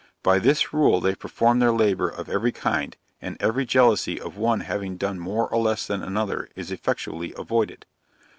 By this rule they perform their labor of every kind, and every jealousy of one having done more or less than another, is effectually avoided.